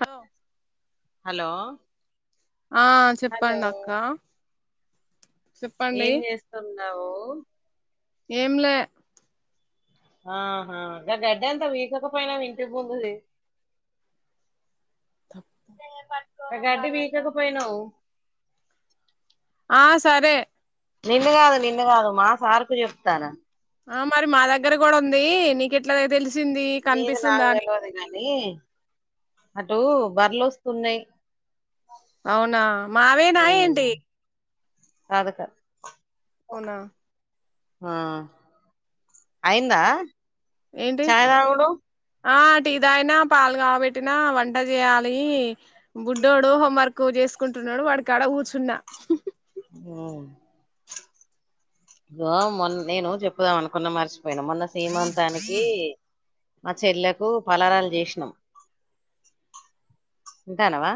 Hello hello ఆ hello చెప్పండి అక్క చెప్పండి ఏం చేస్తున్నావు? ఏంలే ఆహా ఇ గడ్డ ఎంత వీకకపోయినా వింటి బందిది గటి వీకక పోయినావు ఆ సరే నిన్ను కాదు నిన్ను కాదు మా సార్కు చెప్తాను. ఆ మరి మా దగ్గర కూడా ఉంది నీక ఎట్లాతే తెలుసు నీది నాకు తెలివదు గానీ అటు బర్రలో వస్ సున్నై అవునా మావే నాయంటి అదిక అవునా ఆ అయిందా ఏంటి చాయ్తావుడు ఆ టీ తాగిన పాలు కావబెట్టినా వంట చేయాలి బుడ్డోడు హోంవర్క్ చే చేసుకుంటున్నాడు వాడి కాడ కూర్చున్నా వావ్ ఇ మొ నేను చెప్పుదాం అనుకున్న మర్చిపోయినా మొన్న సీమంతానికి మా చెల్లకు పలారలు చేసినాం ఉంటానవా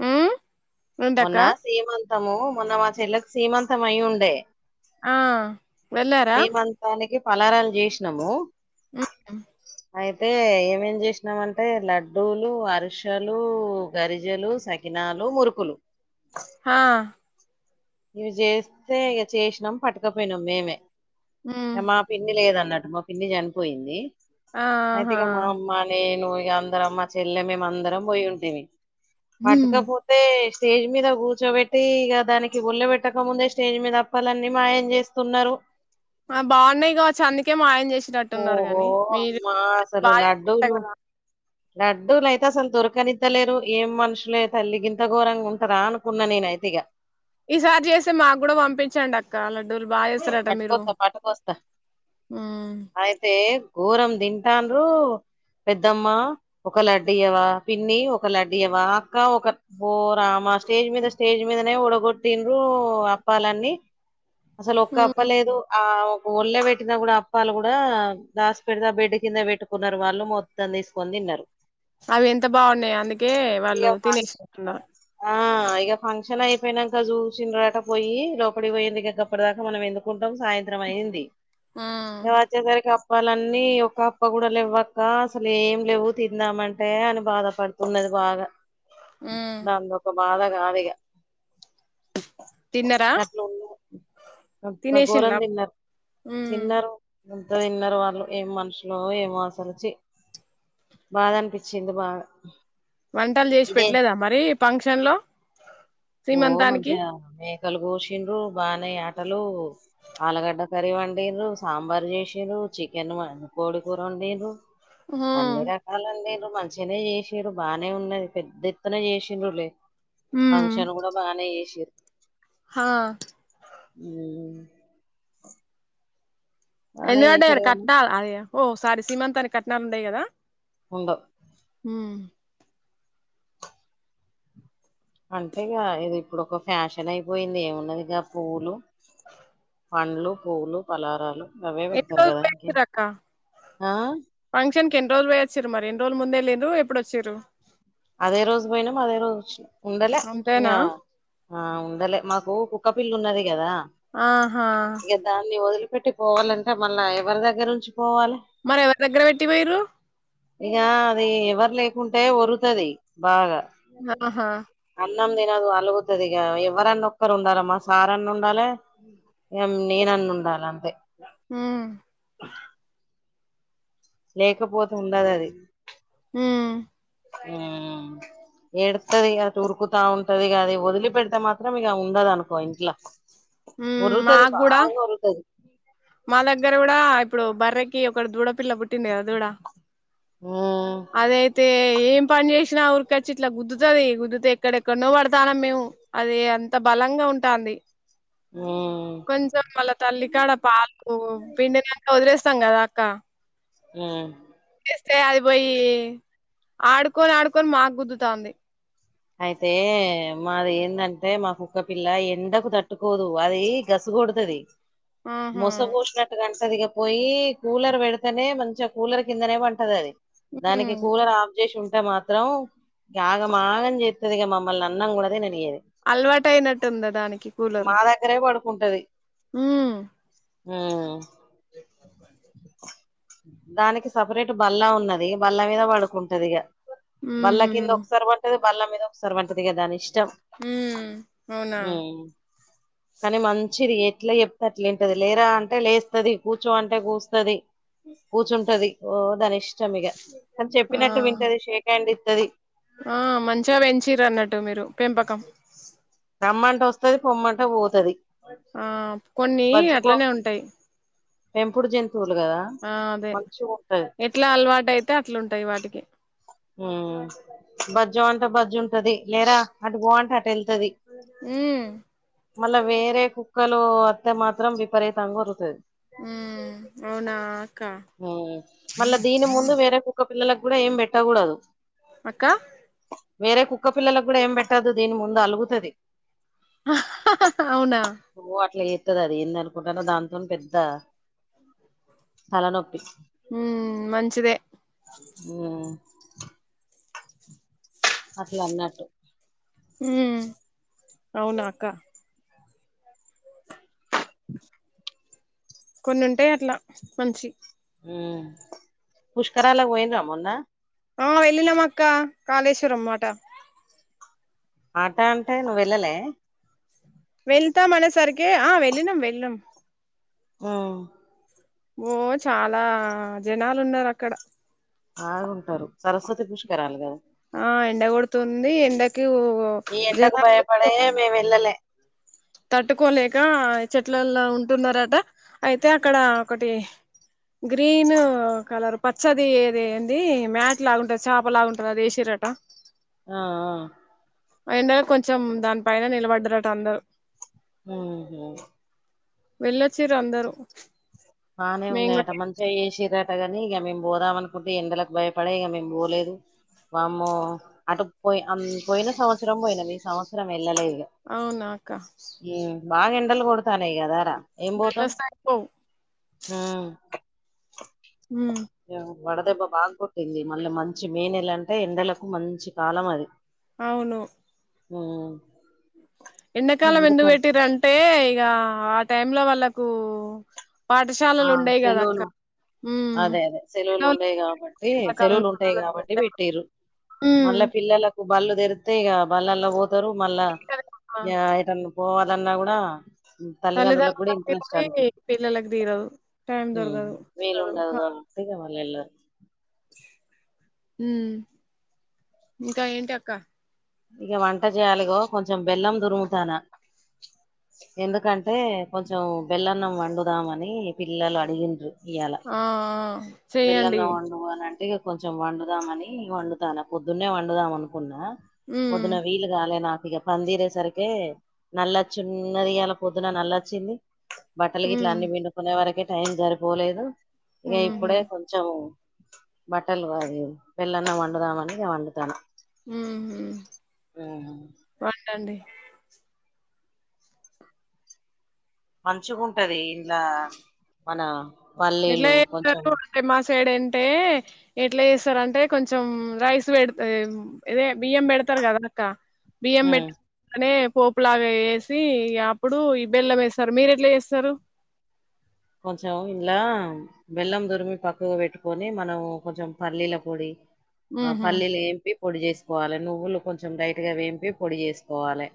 ఆ మొన్న సీమంతము మొన్న మా చెల్లకి సీమంతం అయి ఉండే ఆ వెళ్ళారా? సీమంతానికి పలారాలు చేసినాము మ్ ఉ అయితే ఏమేం చేసినామంటే లడ్డూలు, అరిసలు, గరిజలు సకి నాలు, మురుకులు హా ఇవి చేస్తే ఇక చేసినాం పట్టుకపోయినాం మేమే ఉమ్ మా పిన్ని లేదన్నట్టు మా పిన్ని చనిపోయింది ఆహా అయితేగా మ్ మా అమ్మ నేను ఇగ అందరం మా చెల్లె మేము అందరం పోయి ఉంటివి ఉమ్ పటుకపోతే స్టేజ్ మీద కూర్చోబెట్టి ఇగ దానికి కి బోళ్ళ పెట్టక ముందే స్టేజ్ మీద అప్పాలన్నీ మాయం చేస్తున్నారు ఆ బాగున్నాయి కావచ్చు అందుకే మాయం చేస్ ఓహో అమ్మా అసలు బాగా చేస్తారు లడ్డులు కదా లడ్డూలైతే అసలు దొరకనిద్దలేరు ఏం మనుషులే తల్లిగింత ఘోరంగా ఉంటారా అనుకున్నా నేను ఐతేగా ఈసారి చేస్తే మాకు కూడా పంపిచండక్క లడ్ పటుకొత్తా పటుకొస్తా ఉమ్ అయితే ఘోరం తింటాండ్రు పెద్దమ్మ ఒక లడ్డు ఇయ్యవా పిన్ని ఒక లడ్డు ఇయావా అక్క ఒక పో రామా స్టేజ్ మీద స్టేజ్ మి మీదనే ఉడగొట్టిండ్రు అప్పాలన్నీ అసలు ఒక్క ఉమ్ అప్పలేదు ఆ ఒల్లొ పెట్టినా కూడా అప్పాలు కూడా దాస్పిడ బెడ్ కింద పెట్టుకున్నారు వాళ్ళు మొత్తం తీసుకొని న్నారు అవి ఎంత బాగున్నాయో అందుకే ఇగ వాళ్ళు ఫంక్ష తినేసినట్టున్నారు ఆ ఇగ ఫంక్షన్ అయిపోయినంక చూసిన్రట పోయి లోపడి పోయిందిక అప్పటిదాకా మనం ఎందుకుంటాం సాయంత్రం అయింది ఉమ్ వచ్చేసరికి వాళ్ళన్నీ ఒక అప్ప కూడా లేవ్వక్క అసలు ఏం లేవు తిన్నామంటే అని బాధ పడుతున్నది బాగా ఉమ్ దాంది ఒక బాధ కాదు ఇగ తిన్నరా నట్లు ఘోర తినేసిన్లా తిన్నరు ఉమ్ తిన్నరు ఎంత తిన్నరు వాళ్ళు ఏం మనుషులో ఏమో అసలు చి బాధనిపిచ్చిన్ది బాగా వంటలు చేసి ఇదే పెట్టలేదా మరి ఫంక్షన్ లో ఓ శ్రీమంతానికి మంచిగా మేకలు కోశిండ్రు బానే ఆటలు ఆలుగడ్డ కర్రీ వండిర్రు సాంబార్ చేసిర్రు చికెన్ వన్ కోడి కూర వండింర్రు ఉమ్ అన్ని రకాలండి మంచిగానే చేసిర్రు బానే ఉన్నది పెద్ద ఎత్తున చేసండ్రులే ఉమ్ ఫంక్షన్ కూడా బానే చేస్సిర్రు హా ఉ ఎన్ని పడారు కట్టనాల్ అది ఓ సారీ సీమంతానికి కట్నాలు ఉండయి కదా ఉండవ్ ఊ అంటే ఇగ ఇది ఇప్పుడు ఒక ఫ్యాషన్ అయిపోయింది ఏమున్నది గా పువ్లు పండ్లు పూవ్వులు పలారాలు అవే పెడతారు ఎవళ్ళేవాళ్ళు కదా ఇంకే పోయిచిర్రక్క ఆ ఫంక్షన్ కి ఎన్ని రోజులు పోయాచ్చిరు మరి ఎన్ని రోలు ముందేల్లిండ్రు ఎప్పుడు వచ్చిరు అదే రోజు పోయినాము అదే రోజు వచ్చినం ఉండలే ఇంగ అంతేనా ఆ ఉండలే మాకు కుక్క పిల్లున్నది కదా అహ పెట్టి పోవాలంటే మళ్ళీ ఎవరి దగ్గర నుంచి పోవాలి మరి ఎవరి దగ్గర పెట్టిపోయరు ఇక అది ఎవరు లేకుంటే వరుతది బాగా ఆహా అన్నం తినదు అల్గు వది ఇంగా ఎవరన్న ఒక్కరు ఉండాలమ్మా సార్ అన్ని ఉండాలి నేన అన్న ఉండాలన్న హ లేకపోతే ఉండదూ అది ఉమ్ ఆ ఎడుతుది అద ఉరుకుతా ఉంటది అది వదిలి పెడితే మాత్రం ఇక ఉందదు అనుకో ఇంట్లో మాకు కూడా మా దగ్గర కూడా ఇప్పుడు బర్రకి ఒక దూడ పిల్ల పుట్టింది కదా దూడ మ్ అదైతే ఏం పని చేసినా ఊరికొ వచ్చి ఇట్లా గుద్దుతుది గుద్దుతే ఎక్కడెక్కడ ను పడతాను మేము అది అంత బలంగా ఉంటాంది మ్ కొంచెం వాళ్ళ తల్లి కాడ పాల్కు పిండినకా వదిలేస్తే సంగ కదా అక్క ఆ స్తే అది పోయి ఆడుకొని ఆడుకొని మాకు గుద్దుతాంది అయితే మాది ఏందంటే మా కుక్క పిల్ల ఎండకు తట్టుకోదు అది గసుపు డుతది ఆహా మోసపోసినాటుగా చదిగాపోయి కూలర్ పెడితేనే మంచిగా కూలర్ కిందనే వంటది అది దానికి హ్మ్ కూలర్ ఆఫ్ చేసి ఉంటే మాత్రం ఆగం ఆగం స్తది ఇక మమ్మల్ అన్న కూడా అలవాటు అయినట్టుందా దానికి మా దగ్గరే పడుకుంటది ఉ ఉ దానికి సపరేట్ బల్లా ఉన్నది బల్లా మీద పడుకుంటది ఇక బళ్ల ఊహూ కింద ఒకసారి వంటది బళ్ల మీద ఒకసారి వంటది కదా దాని ఇష్టం హ అవునా ఉమ్ కానీ మంచిందీ ఎట్లా చెప్తతే అట్లేంటది లేరా అంటే లేస్తుది కూర్చో అంటే కూస్తుది కూర్చుంటది ఓ దాని ఇష్టం ఇక కానీ ఆ చెప్పినట్టు వింటది షేక్ హండ్ ఇస్తుది ఆ మంచిగా వంచీర అన్నట్టు మీరు పెంపకం రమ్మంట వస్తది పొమ్మ అంటే పోతది ఆ కొన్ని బజ్జుకో అట్లానే ఉంటాయి పెంపుడు జ ఆ అదే ఎట్లా అలవాటు అయితే అట్లాంటాయి వాటికి ఉ బజ్జ్ అంటే బజ్జ్ ఉంటది లేరా అటు గో అంటే అటు వెళ్తది హ్మ్ మళ్ళా వేరే కుక్కలు అత్త మాత్రం విపరీతంగా ఒరుగుతది హ్మ్ అవునా అక్క మళ్ళా దీని ముందు వేరే కుక్క పిల్లలకు కూడా ఏం పెట్టకూడదు అక్క వేరే కుక్క పిల్లలకు కూడా ఏం పెట్టదు దీని ముందు అలుగుతుది అవునా అట్లా చేత్తది అది ఏంద అనుకుంటారో దాంతో పెద్ద తలనొప్పి ఉ మంచిదే ఉమ్ అట్లా అన్నట్టు హు అవునా అక్క కొన్ని ఉంటాయి అట్లా మంచి పుష్కరాలకు పోయిన్రా మన్నా ఆ వెళ్ళినామ అక్క కాళేశ్వర మాట ఆట అంటే నువ్వు వెళ్ళలే వెళ్తాం అనే సరికి ఆ వెళ్ళినం వెళ్ళినం ఆ ఓ చాలా జనాలు ఉన్నారు అక్కడ బాగుంటారు సరస్వతి పుష్కరాలుగదా ఆ ఎండ కొడుతుంది ఎండకి ఈ ఎండకు జనాలు భయపడే మేము వెళ్ళలే తట్టుకోలేక చెట్లల్లో ఉంటున్నారట అయితే అక్కడ ఒకటి గ్రీన్ కలర్ పచ్చది ఏది ఏంది మ్యాట్ లాగుంటుంది చేప లాగుంటుంది అదేసిరట ఆ ఆ ఎండ కొంచెం దాని ఫైన నిలబడ్డారుట అందరు ఉహు వెళ్ళొచ్చిరు అందరూ బానే ఉన్నాయట మంచిగా చేసిర ని ఇగ మేము పోదాం అనుకుంటే ఎండలకు భయపడే ఇగ మేము పోలేదు వామ్మో అటు పోయి పోయిన సంవత్సరం పోయిన నేను ఈ సంవత్సరం వెళ్ళలేదు అవునాక్క బాగా ఎండల్ కొడతానాఈగ అదారా వెలోసాయిపో ఉ హు వడదెబ్బ బాగా కొట్టింది మళ్ళ మంచి మేనెల అంటే ఎండలకు మంచి కాలం అది అవును ఉ ఎండాకాలం ఎందుకు పెట్టిరు అంటే ఇగ ఆ టైమ్ లో వాళ్ళకు ఆ పాఠశాలలు ఉండయి కదా అక్క సెలవులు ఉమ్ అదే అదే సెలవులు ఉండయి కాబట్టి ఎండాకాలం సెలవులు ఉంటాయి సెలవులకు కాబట్టి పెట్టిరు ఉమ్ మళ్ళ పిల్లలకు బళ్ళు తెరిత్తే ఇగ బళ్ళలా పోతారు మళ్ళా ఆ ఎటన్ పోవాలన్నా కూడా తల్లిదండ్రులకు కూడా తల్లిదండ్రులకి ఇంట్రెస్ట్ అ పిల్లలకి తీరదు టైం దొరకదు వేలు చదువు ఉండదు కాలం కాబట్టి మాల ఎల్ ఉమ్ ఇంకా ఏంటి అక్క ఇంగ వంట చేయాలిగో కొంచెం బెల్లం దురుముతానా ఎందుకంటే కొంచెం బెల్లన్నం వండుదామని పిల్లలు అడిగిండ్రు ఇయాల ఆ ఆ చెయ్యండి బెల్లన్నం వండు అని అంటే కొంచెం వండుదామని వండుతాన పొద్దున్నే వండుదాం అనుకున్నా ఉమ్ పొద్దున వీలు కాలే నాకు ఇక పనిరే సరికి నల్ల వచ్చిన్న అలా పొద్దున నల్ల వచ్చింది బట్టలు గిట్ల ఉమ్ అన్ని విండుకునే వరకే టైం సరిపోలేదు ఇక ఉహు ఇప్పుడే కొంచెం బట్టలు వది వెళ్ళన్న వండుదామని వండుతన ఉహు ఊ వండండి మంచిగుంటది ఇలా మన ఎట్లా పల్లీలు కొంచెం చేస్తారు అంటే మా సైడ్ అంటే ఎట్లా చేస్తారంటే కొంచెం రైస్ పెడ్తే ఇదే బియ్యం పెడతారు కదా అక్క బియ్యం ఉమ్ పెట్ నే పోపులాగా ఏసి ఇగ అప్పుడు ఈ బెల్లం వేస్తారు మీరు ఎట్లా చేస్తారు కొంచెం ఇలా బెల్లం దురిమి పక్కగా పెట్టుకొని మనం కొంచెం పల్లీల పొడి ఆ ఉహు పల్లీలు ఏంపి పొడి చేసుకోవాలి నువ్వులు కొంచెం డైట్ గా వేంపి పొడి చేసుకోవాలి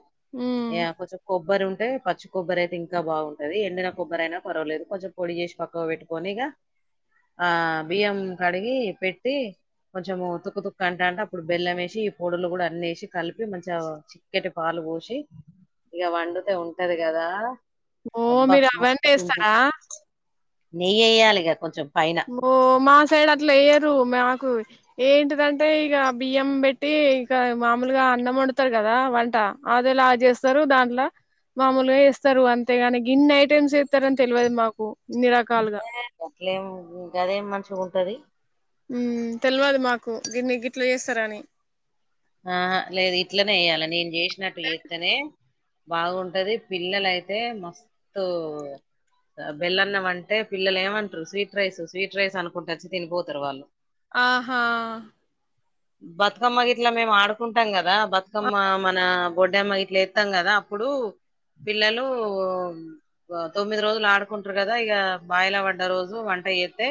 ఉమ్. ఏ కొంచెం కొబ్బరి ఉంటే పచ్చి కొబ్బరి అయితే ఇంకా బాగుంటది ఎండిన కొబ్బరి అయినా పర్వాలేదు కొంచెం పొడి చేసి పక్కవ పెట్టుకొని ఇగ ఆ బియ్యం కడిగి పెట్టి కొంచెం తుక్క తుక్క అంటా అంటే అప్పుడు బెల్లం వేసి ఈ పొడులు కూడా అన్ని ఏసి కలిపి మంచి చిక్కటి పాలు పూసి ఇగ వండుతే ఉంటది గదా ఓ మీరు అవన్నీ ఎస్తరా నెయ్యి ఏయ్యాలిగ కొంచెం పైన ఓ మా సైడ్ అట్ల ఏయ్యారు మా ఏంటిదంటే ఇగ బియ్యం పెట్టి ఇగ మామలుగా అన్నం వండుతారు కదా వంట అదిలా చేస్తారు దాంట్ల మామూలుగా ఇస్తరు అంతేగాని గిన్ని ఐటైమ్స్ చేస్తరని తెలువది మాకు ఇన్ని రకాలుగా అట్లేం గదేం మంచిగుంటది ఉ తెలువది మాకు దిన్ని గిట్ల చేస్తరని అహ లేదు ఇట్లనే ఎయ్యాలి నేను చేసినట్టు చెత్తనే బాగుంటది పిల్లలయితే మస్తు బెల్లన్నం అంటే పిల్లలు ఏమంటరు స్వీట్ రైస్ స్వీట్ రైస్ అనుకుంట వచ్చి తినిపోతారు వాళ్ళు అహ బతుకమ్మ గిట్ల మేము ఆడుకుంటాం కదా ఆ బతుకమ్మ మన గొడ్డేమ్మ ఇట్లా ఎత్తాం కదా అప్పుడు పిల్లలు తొమ్మిది రోజులు ఆడుకుంటరు కదా ఇక బాయిలా పడ్డ రోజు వంట చేతే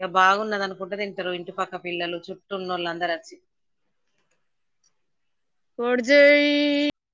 ఇంగ బాగున్నది అనుకుంట తింటరు ఇంటి పక్క పిల్లలు చుట్టున్నోలందరు వచ్చి కోడ్జెయి